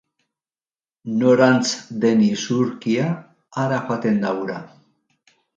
Norantz den isurkia hara joaten da ura.